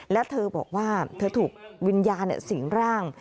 และเธอบอกว่าเธอถูกวิญญาณสิงร่าง